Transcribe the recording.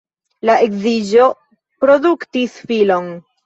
La edziĝo produktis filon.